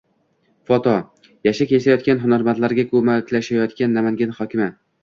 Foto: Yashik yasayotgan hunarmandlarga ko‘maklashayotgan Namangan hokimi